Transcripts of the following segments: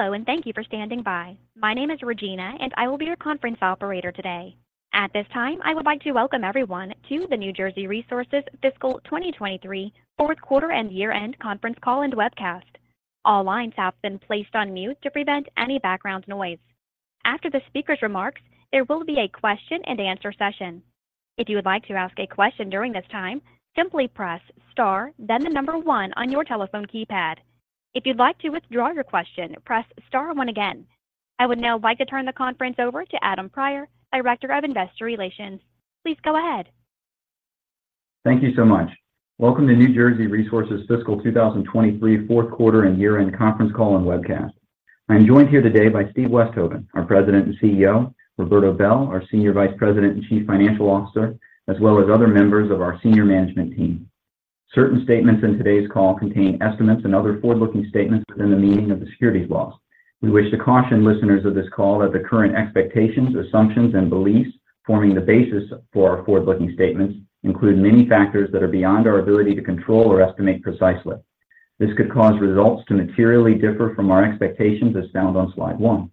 Hello, and thank you for standing by. My name is Regina, and I will be your conference operator today. At this time, I would like to welcome everyone to the New Jersey Resources Fiscal 2023 fourth quarter and year-end conference call and webcast. All lines have been placed on mute to prevent any background noise. After the speaker's remarks, there will be a question-and-answer session. If you would like to ask a question during this time, simply press Star, then the number one on your telephone keypad. If you'd like to withdraw your question, press Star one again. I would now like to turn the conference over to Adam Prior, Director of Investor Relations. Please go ahead. Thank you so much. Welcome to New Jersey Resources fiscal 2023 fourth quarter and year-end conference call and webcast. I'm joined here today by Steve Westhoven, our President and CEO, Roberto Bel, our Senior Vice President and Chief Financial Officer, as well as other members of our senior management team. Certain statements in today's call contain estimates and other forward-looking statements within the meaning of the securities laws. We wish to caution listeners of this call that the current expectations, assumptions, and beliefs forming the basis for our forward-looking statements include many factors that are beyond our ability to control or estimate precisely. This could cause results to materially differ from our expectations, as found on slide one.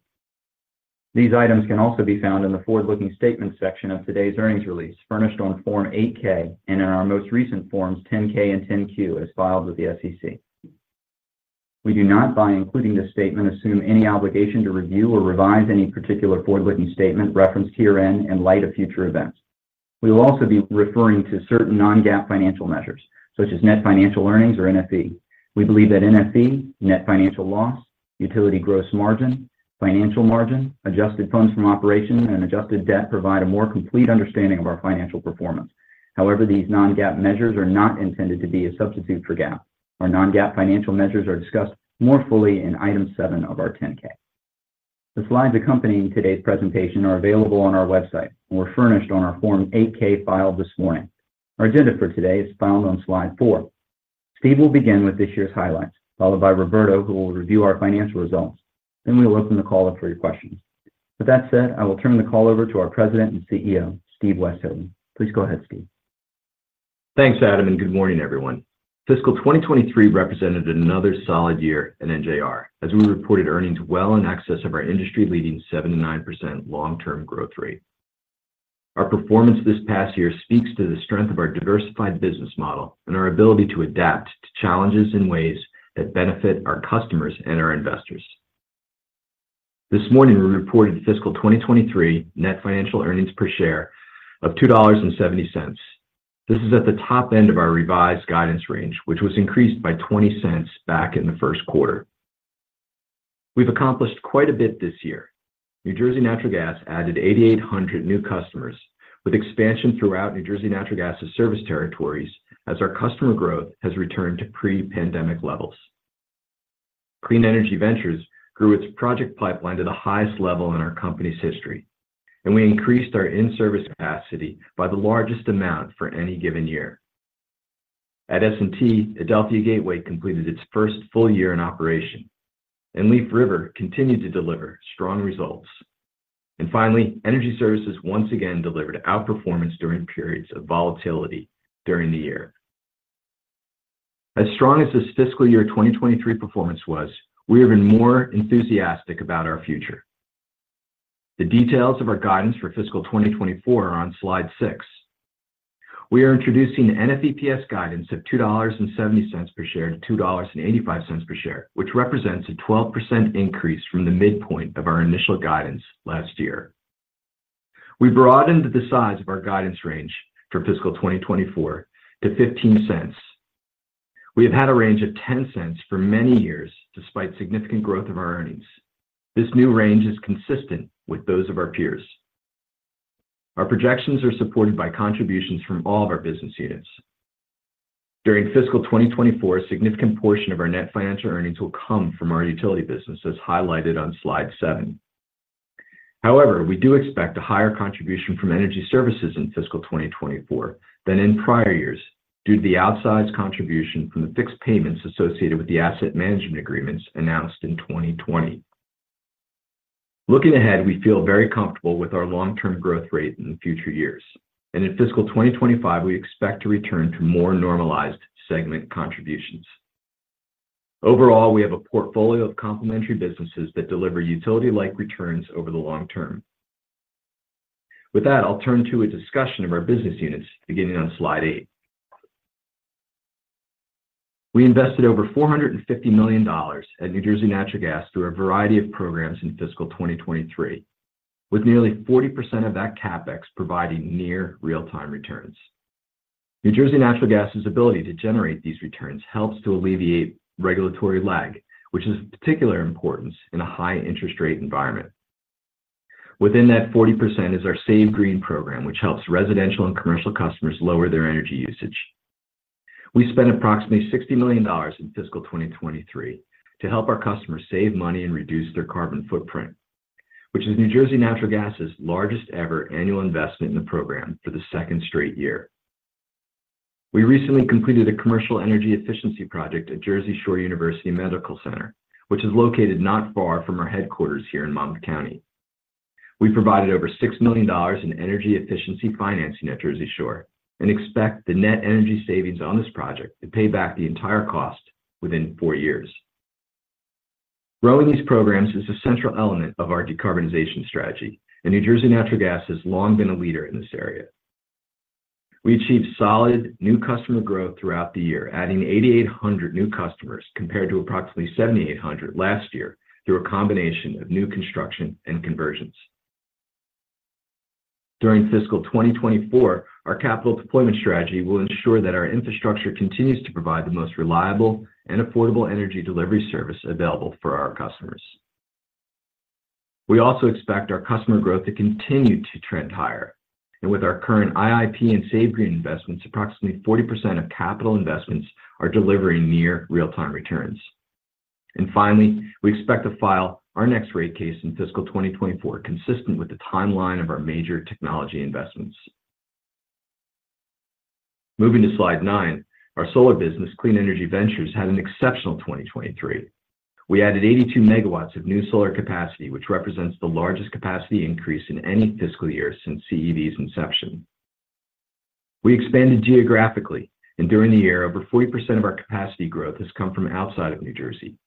These items can also be found in the forward-looking statement section of today's earnings release, furnished on Form 8-K and in our most recent Forms 10-K and 10-Q, as filed with the SEC. We do not, by including this statement, assume any obligation to review or revise any particular forward-looking statement referenced herein in light of future events. We will also be referring to certain non-GAAP financial measures, such as net financial earnings or NFE. We believe that NFE, net financial loss, utility gross margin, financial margin, adjusted funds from operations, and adjusted debt provide a more complete understanding of our financial performance. However, these non-GAAP measures are not intended to be a substitute for GAAP. Our non-GAAP financial measures are discussed more fully in item 7 of our 10-K. The slides accompanying today's presentation are available on our website and were furnished on our Form 8-K filing this morning. Our agenda for today is found on slide four. Steve will begin with this year's highlights, followed by Roberto, who will review our financial results. Then we will open the call up for your questions. With that said, I will turn the call over to our President and CEO, Steve Westhoven. Please go ahead, Steve. Thanks, Adam, and good morning, everyone. Fiscal 2023 represented another solid year at NJR, as we reported earnings well in excess of our industry-leading 7% to 9% long-term growth rate. Our performance this past year speaks to the strength of our diversified business model and our ability to adapt to challenges in ways that benefit our customers and our investors. This morning, we reported fiscal 2023 net financial earnings per share of $2.70. This is at the top end of our revised guidance range, which was increased by $0.20 back in the first quarter. We've accomplished quite a bit this year. New Jersey Natural Gas added 8,800 new customers, with expansion throughout New Jersey Natural Gas' service territories, as our customer growth has returned to pre-pandemic levels. Clean Energy Ventures grew its project pipeline to the highest level in our company's history, and we increased our in-service capacity by the largest amount for any given year. At S&T, Adelphia Gateway completed its first full year in operation, and Leaf River continued to deliver strong results. And finally, Energy Services once again delivered outperformance during periods of volatility during the year. As strong as this fiscal year 2023 performance was, we are even more enthusiastic about our future. The details of our guidance for fiscal 2024 are on slide six. We are introducing NFEPS guidance of $2.70 per share to $2.85 per share, which represents a 12% increase from the midpoint of our initial guidance last year. We broadened the size of our guidance range for fiscal 2024 to $0.15. We have had a range of $0.10 for many years, despite significant growth of our earnings. This new range is consistent with those of our peers. Our projections are supported by contributions from all of our business units. During fiscal 2024, a significant portion of our net financial earnings will come from our utility business, as highlighted on slide seven. However, we do expect a higher contribution from energy services in fiscal 2024 than in prior years, due to the outsized contribution from the fixed payments associated with the asset management agreements announced in 2020. Looking ahead, we feel very comfortable with our long-term growth rate in future years, and in fiscal 2025, we expect to return to more normalized segment contributions. Overall, we have a portfolio of complementary businesses that deliver utility-like returns over the long term. With that, I'll turn to a discussion of our business units, beginning on slide eight. We invested over $450 million at New Jersey Natural Gas through a variety of programs in fiscal 2023, with nearly 40% of that CapEx providing near real-time returns. New Jersey Natural Gas's ability to generate these returns helps to alleviate regulatory lag, which is of particular importance in a high interest rate environment. Within that 40% is our SAVEGREEN program, which helps residential and commercial customers lower their energy usage. We spent approximately $60 million in fiscal 2023 to help our customers save money and reduce their carbon footprint, which is New Jersey Natural Gas's largest-ever annual investment in the program for the second straight year. We recently completed a commercial energy efficiency project at Jersey Shore University Medical Center, which is located not far from our headquarters here in Monmouth County... We provided over $6 million in energy efficiency financing at Jersey Shore, and expect the net energy savings on this project to pay back the entire cost within 4 years. Growing these programs is a central element of our decarbonization strategy, and New Jersey Natural Gas has long been a leader in this area. We achieved solid new customer growth throughout the year, adding 8,800 new customers, compared to approximately 7,800 last year, through a combination of new construction and conversions. During fiscal 2024, our capital deployment strategy will ensure that our infrastructure continues to provide the most reliable and affordable energy delivery service available for our customers. We also expect our customer growth to continue to trend higher, and with our current IIP and SAVEGREEN investments, approximately 40% of capital investments are delivering near real-time returns. Finally, we expect to file our next rate case in fiscal 2024, consistent with the timeline of our major technology investments. Moving to slide nine, our solar business, Clean Energy Ventures, had an exceptional 2023. We added 82 megawatts of new solar capacity, which represents the largest capacity increase in any fiscal year since CEV's inception. We expanded geographically, and during the year, over 40% of our capacity growth has come from outside of New Jersey.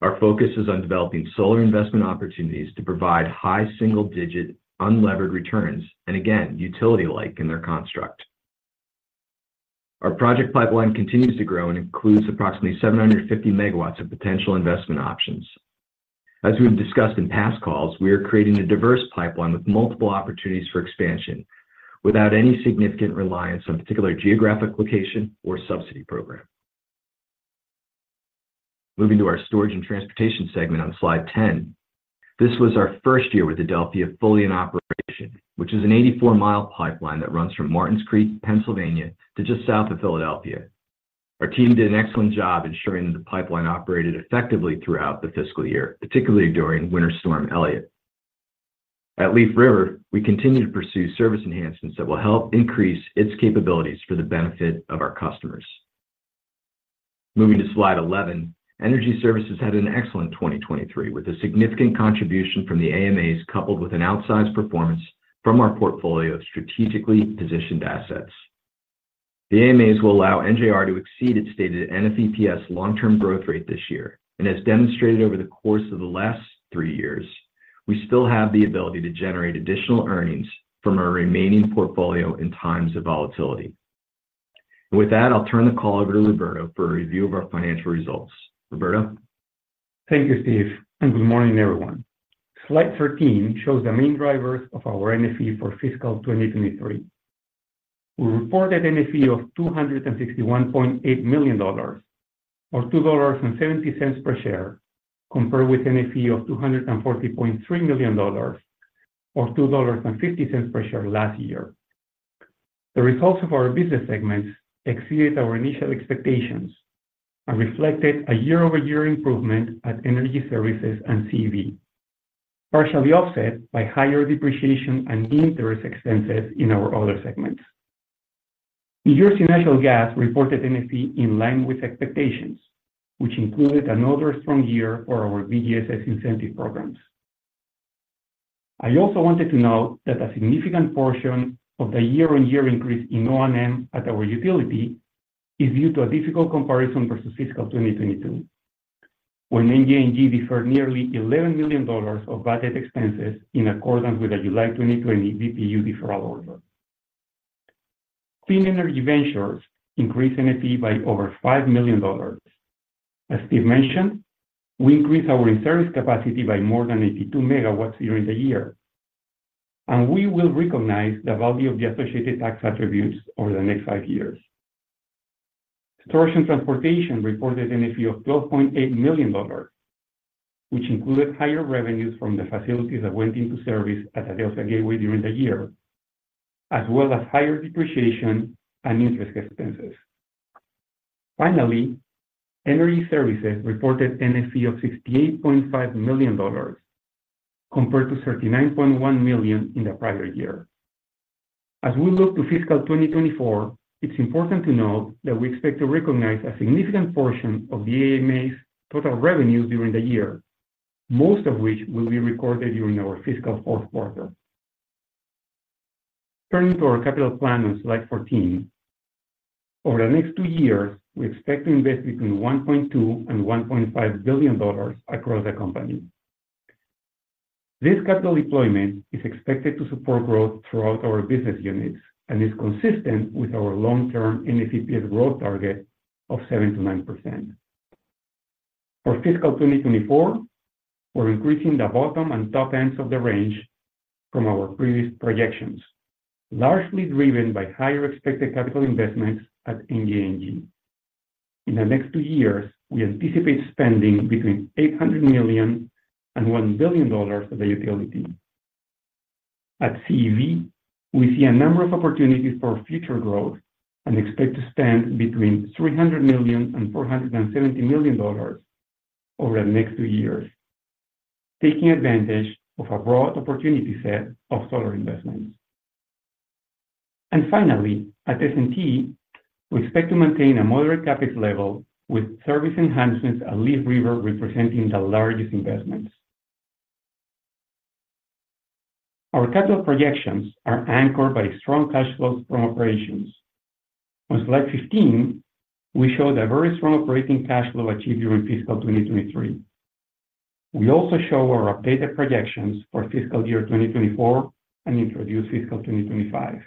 Our focus is on developing solar investment opportunities to provide high single-digit, unlevered returns, and again, utility-like in their construct. Our project pipeline continues to grow and includes approximately 750 megawatts of potential investment options. As we've discussed in past calls, we are creating a diverse pipeline with multiple opportunities for expansion, without any significant reliance on particular geographic location or subsidy program. Moving to our storage and transportation segment on slide 10. This was our first year with Adelphia fully in operation, which is an 84-mile pipeline that runs from Martins Creek, Pennsylvania, to just south of Philadelphia. Our team did an excellent job ensuring that the pipeline operated effectively throughout the fiscal year, particularly during Winter Storm Elliott. At Leaf River, we continue to pursue service enhancements that will help increase its capabilities for the benefit of our customers. Moving to slide 11, Energy Services had an excellent 2023, with a significant contribution from the AMAs, coupled with an outsized performance from our portfolio of strategically positioned assets. The AMAs will allow NJR to exceed its stated NFEPS long-term growth rate this year. And as demonstrated over the course of the last three years, we still have the ability to generate additional earnings from our remaining portfolio in times of volatility. And with that, I'll turn the call over to Roberto for a review of our financial results. Roberto? Thank you, Steve, and good morning, everyone. slide 13 shows the main drivers of our NFE for fiscal 2023. We reported NFE of $261.8 million, or $2.70 per share, compared with NFE of $240.3 million or $2.50 per share last year. The results of our business segments exceeded our initial expectations and reflected a year-over-year improvement at Energy Services and CEV, partially offset by higher depreciation and interest expenses in our other segments. New Jersey Natural Gas reported NFE in line with expectations, which included another strong year for our BGSS incentive programs. I also wanted to note that a significant portion of the year-on-year increase in O&M at our utility is due to a difficult comparison versus fiscal 2022, when NJNG deferred nearly $11 million of budget expenses in accordance with the July 2020 BPU deferral order. Clean Energy Ventures increased NFE by over $5 million. As Steve mentioned, we increased our in-service capacity by more than 82 MW during the year, and we will recognize the value of the associated tax attributes over the next 5 years. Storage and Transportation reported NFE of $12.8 million, which included higher revenues from the facilities that went into service at Adelphia Gateway during the year, as well as higher depreciation and interest expenses. Finally, Energy Services reported NFE of $68.5 million, compared to $39.1 million in the prior year. As we look to fiscal 2024, it's important to note that we expect to recognize a significant portion of the AMA's total revenues during the year, most of which will be recorded during our fiscal fourth quarter. Turning to our capital plan on slide 14. Over the next two years, we expect to invest between $1.2 billion and $1.5 billion across the company. This capital deployment is expected to support growth throughout our business units and is consistent with our long-term NFEPS growth target of 7% to 9%. For fiscal 2024, we're increasing the bottom and top ends of the range from our previous projections, largely driven by higher expected capital investments at NJNG. In the next two years, we anticipate spending between $800 million and $1 billion at the utility. At CEV, we see a number of opportunities for future growth and expect to spend between $300 million and $470 million over the next two years, taking advantage of a broad opportunity set of solar investments.... Finally, at S&T, we expect to maintain a moderate capital level, with service enhancements at Leaf River representing the largest investments. Our capital projections are anchored by strong cash flows from operations. On slide 15, we show the very strong operating cash flow achieved during fiscal 2023. We also show our updated projections for fiscal year 2024 and introduce fiscal 2025.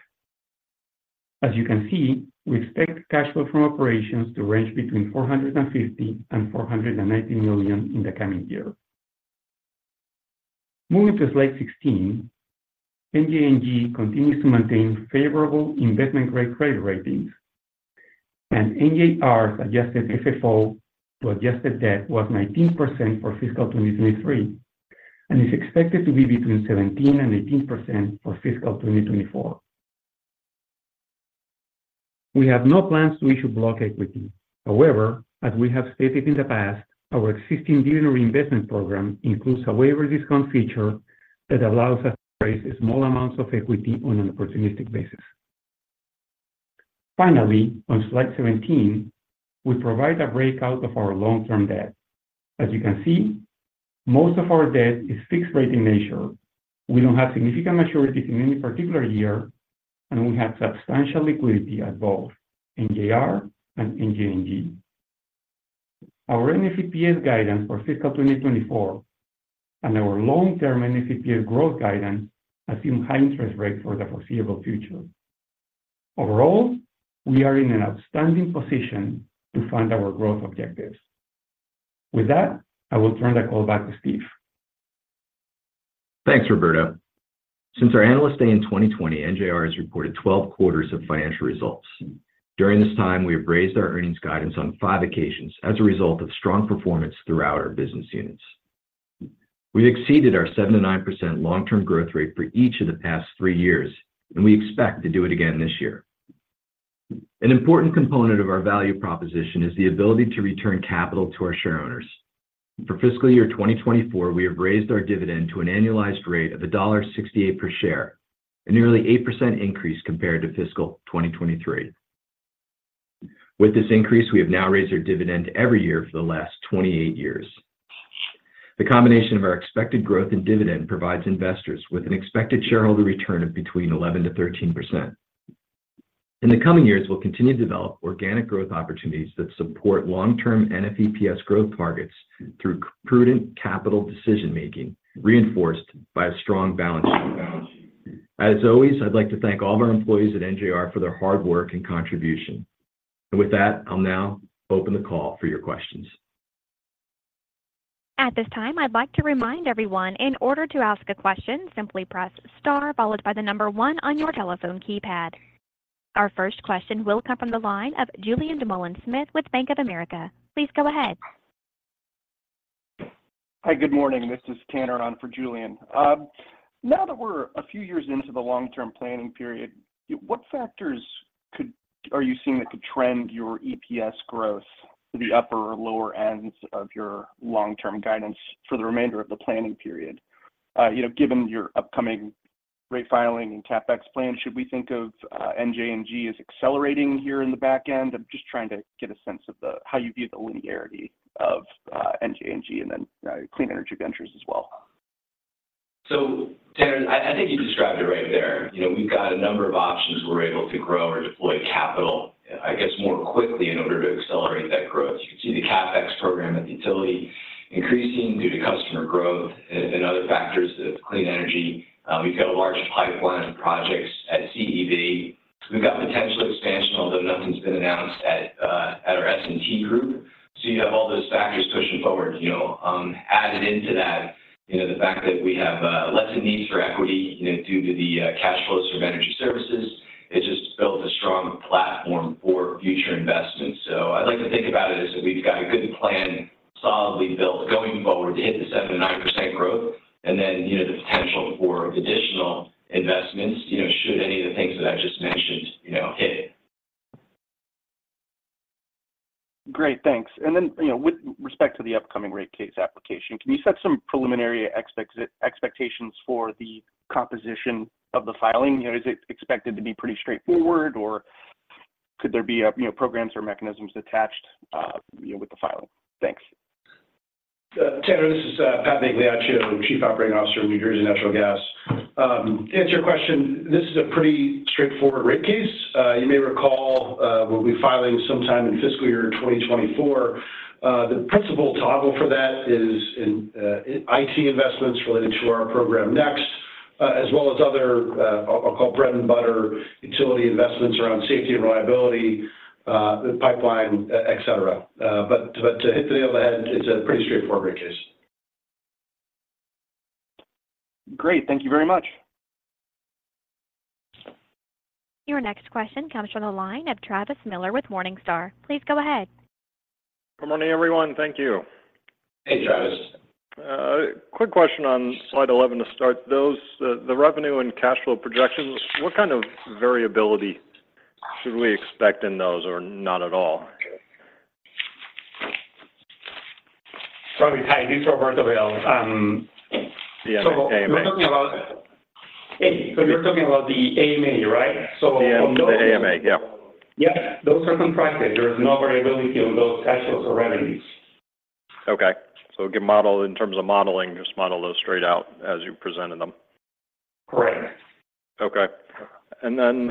As you can see, we expect cash flow from operations to range between $450 million and $490 million in the coming year. Moving to slide 16, NJNG continues to maintain favorable investment-grade credit ratings, and NJR's adjusted FFO to adjusted debt was 19% for fiscal 2023, and is expected to be between 17% and 18% for fiscal 2024. We have no plans to issue block equity. However, as we have stated in the past, our existing junior investment program includes a waiver discount feature that allows us to raise small amounts of equity on an opportunistic basis. Finally, on slide 17, we provide a breakout of our long-term debt. As you can see, most of our debt is fixed rate in nature. We don't have significant maturities in any particular year, and we have substantial liquidity at both NJR and NJNG. Our NFEPS guidance for fiscal 2024 and our long-term NFEPS growth guidance assume high interest rates for the foreseeable future. Overall, we are in an outstanding position to fund our growth objectives. With that, I will turn the call back to Steve. Thanks, Roberto. Since our Analyst Day in 2020, NJR has reported 12 quarters of financial results. During this time, we have raised our earnings guidance on 5 occasions as a result of strong performance throughout our business units. We exceeded our 7% to 9% long-term growth rate for each of the past 3 years, and we expect to do it again this year. An important component of our value proposition is the ability to return capital to our shareowners. For fiscal year 2024, we have raised our dividend to an annualized rate of $1.68 per share, a nearly 8% increase compared to fiscal 2023. With this increase, we have now raised our dividend every year for the last 28 years. The combination of our expected growth and dividend provides investors with an expected shareholder return of between 11% to 13%. In the coming years, we'll continue to develop organic growth opportunities that support long-term NFEPS growth targets through prudent capital decision making, reinforced by a strong balance sheet. As always, I'd like to thank all of our employees at NJR for their hard work and contribution. With that, I'll now open the call for your questions. At this time, I'd like to remind everyone, in order to ask a question, simply press star followed by the number one on your telephone keypad. Our first question will come from the line of Julien Dumoulin-Smith with Bank of America. Please go ahead. Hi, good morning. This is Tanner on for Julien. Now that we're a few years into the long-term planning period, what factors are you seeing that could trend your EPS growth to the upper or lower ends of your long-term guidance for the remainder of the planning period? You know, given your upcoming rate filing and CapEx plan, should we think of NJNG as accelerating here in the back end? I'm just trying to get a sense of how you view the linearity of NJNG and then Clean Energy Ventures as well. So, Tanner, I think you described it right there. You know, we've got a number of options. We're able to grow or deploy capital, I guess, more quickly in order to accelerate that growth. You can see the CapEx program at utility increasing due to customer growth and other factors of clean energy. We've got a large pipeline of projects at CEV. We've got potential expansion, although nothing's been announced at our S&T group. So, you have all those factors pushing forward. You know, adding into that, you know, the fact that we have less a need for equity, you know, due to the cash flows from energy services, it just builds a strong platform for future investments. So I'd like to think about it as if we've got a good plan, solidly built, going forward to hit the 7% to 9% growth, and then, you know, the potential for additional investments, you know, should any of the things that I just mentioned, you know, hit. Great, thanks. And then, you know, with respect to the upcoming rate case application, can you set some preliminary expectations for the composition of the filing? You know, is it expected to be pretty straightforward, or could there be a, you know, programs or mechanisms attached, with the filing? Thanks. Tanner, this is Pat Migliaccio, Chief Operating Officer of New Jersey Natural Gas. To answer your question, this is a pretty straightforward rate case. You may recall, we'll be filing sometime in fiscal year 2024. The principal toggle for that is in IT investments related to our Program Next, as well as other, I'll call bread and butter utility investments around safety and reliability, pipeline et cetera. But to hit the nail on the head, it's a pretty straightforward rate case. Great. Thank you very much. Your next question comes from the line of Travis Miller with Morningstar. Please go ahead. Good morning, everyone. Thank you. Hey, Travis. Quick question on slide 11 to start. Those, the revenue and cash flow projections, what kind of variability should we expect in those, or not at all? Sorry, hi, this is Roberto Bel. So, we're talking about, so you're talking about the AMA, right? So... The AMA, yeah. Yeah, those are contracted. There is no variability on those cash flows or revenues. Okay. So, get modeled, in terms of modeling, just model those straight out as you presented them? Correct. Okay. And then,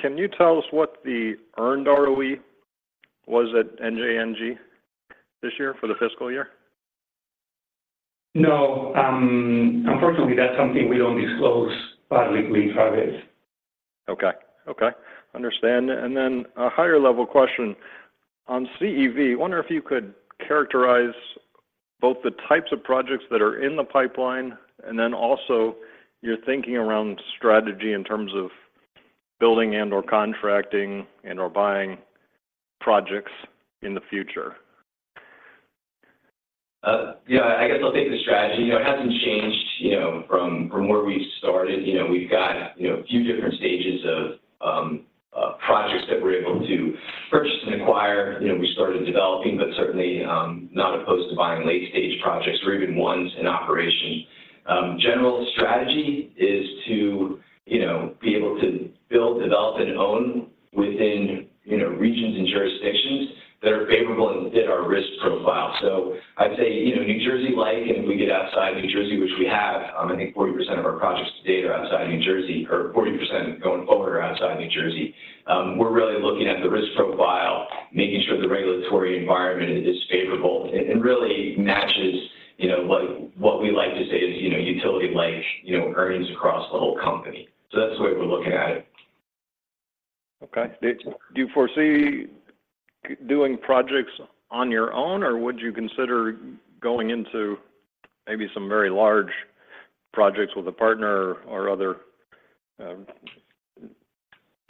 can you tell us what the earned ROE was at NJNG this year for the fiscal year? No. Unfortunately, that's something we don't disclose publicly, Travis. Okay. Okay, understand. And then a higher-level question. On CEV, I wonder if you could characterize both the types of projects that are in the pipeline, and then also your thinking around strategy in terms of building and, or contracting and, or buying projects in the future. Yeah, I guess I'll take the strategy. You know, it hasn't changed, you know, from where we started. You know, we've got, you know, a few different stages of projects that we're able to purchase and acquire. You know, we started developing, but certainly not opposed to buying late-stage projects or even ones in operation. General strategy is to, you know, be able to build, develop, and own within, you know, regions and jurisdictions that are favorable and fit our risk profile. So, I'd say, you know, New Jersey like, and if we get outside New Jersey, which we have, I think 40% of our projects to date are outside New Jersey, or 40% going forward are outside New Jersey. We're really looking at the risk profile, making sure the regulatory environment is favorable and really matches, you know, what we like to say is, you know, utility-like, you know, earnings across the whole company. So that's the way we're looking at it. Okay. Do you foresee doing projects on your own, or would you consider going into maybe some very large projects with a partner or other,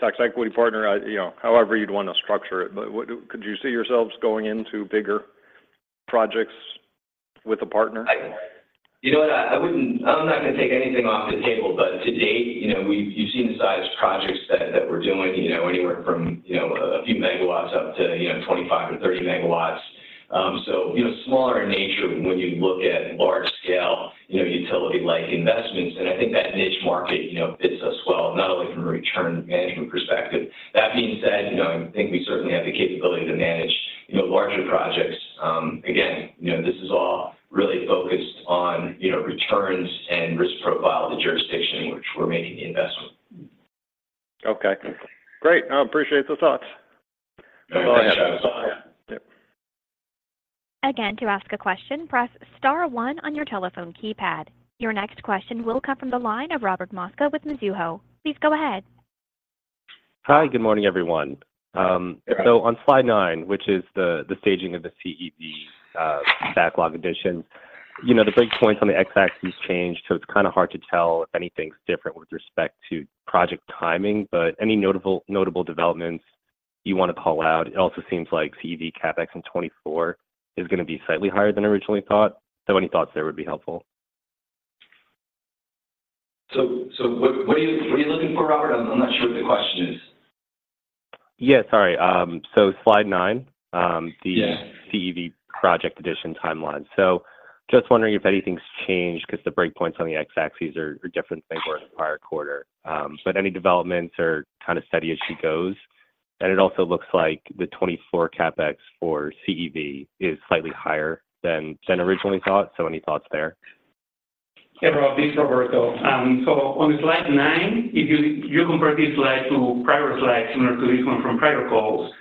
tax equity partner? You know, however you'd want to structure it, but what, could you see yourselves going into bigger projects with a partner? You know what? I wouldn't. I'm not going to take anything off the table, but to date, you know, we've seen the size of projects that we're doing, you know, anywhere from a few megawatts up to 25 or 30 megawatts. So, you know, smaller in nature when you look at large scale utility-like investments, and I think that niche market, you know, fits us well, not only from a return management perspective. That being said, you know, I think we certainly have the capability to manage larger projects. Again, you know, this is all really focused on returns and risk profile of the jurisdiction in which we're making the investment. Okay. Great, I appreciate the thoughts. No, go ahead. Yeah. Again, to ask a question, press star one on your telephone keypad. Your next question will come from the line of Robert Mosca with Mizuho. Please go ahead. Hi, good morning, everyone. So, on slide nine, which is the staging of the CEV, backlog addition, you know, the break points on the x-axis changed, so it's kind of hard to tell if anything's different with respect to project timing, but any notable developments you want to call out? It also seems like CEV CapEx in 2024 is gonna be slightly higher than originally thought. So any thoughts there would be helpful. So, what are you looking for, Robert? I'm not sure what the question is. Yeah, sorry. So, slide nine... Yes. The CEV project addition timeline. So just wondering if anything's changed because the break points on the x-axis are different than they were in the prior quarter. But any developments or kind of steady as she goes? And it also looks like the 2024 CapEx for CEV is slightly higher than originally thought. So any thoughts there? Hey, Rob, this is Roberto. So, on slide nine, if you, you compare this slide to prior slides, similar to this one from prior calls,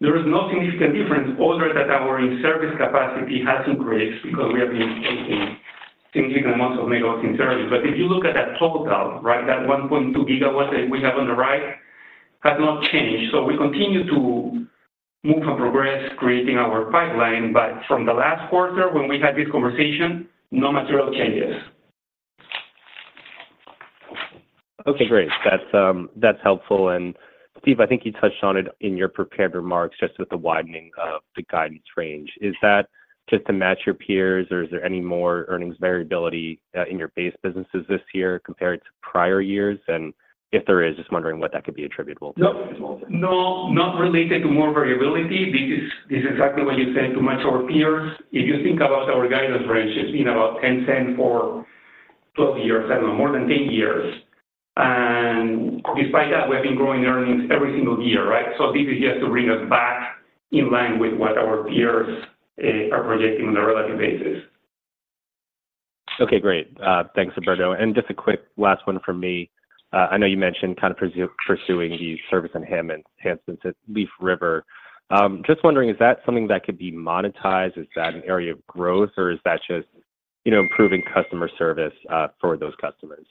there is no significant difference other than that our in-service capacity has increased because we have been taking things in the months of megawatts in service. But if you look at that total, right, that 1.2 gigawatts that we have on the right has not changed. So, we continue to move and progress creating our pipeline, but from the last quarter when we had this conversation, no material changes. Okay, great. That's, that's helpful. And Steve, I think you touched on it in your prepared remarks, just with the widening of the guidance range. Is that just to match your peers, or is there any more earnings variability in your base businesses this year compared to prior years? And if there is, just wondering what that could be attributable to? No, no, not related to more variability. This is, this is exactly what you said to match our peers. If you think about our guidance range, it's been about $0.10 for 12 years, I don't know, more than 10 years. And despite that, we have been growing earnings every single year, right? So, this is just to bring us back in line with what our peers are projecting on a relative basis. Okay, great. Thanks, Roberto. And just a quick last one from me. I know you mentioned kind of pursuing the service enhancements at Leaf River. Just wondering, is that something that could be monetized? Is that an area of growth, or is that just, you know, improving customer service for those customers?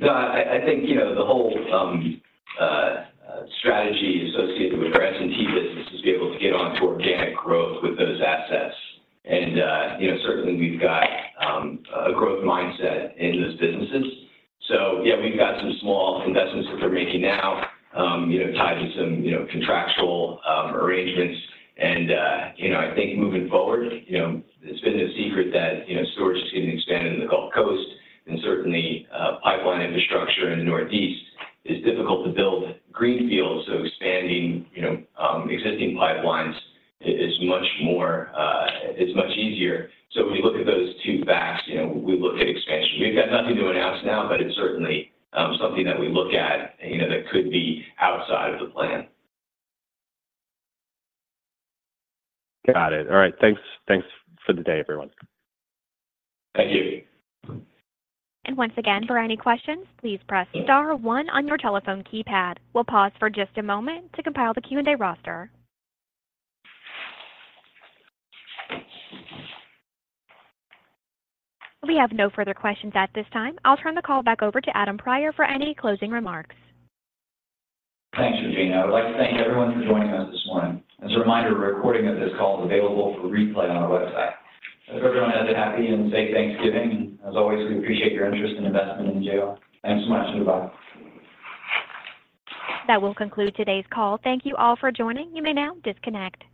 No, I think, you know, the whole strategy As a reminder, a recording of this call is available for replay on our website. As everyone has a happy and safe Thanksgiving, and as always, we appreciate your interest and investment in NJR. Thanks so much, and goodbye. That will conclude today's call. Thank you all for joining. You may now disconnect.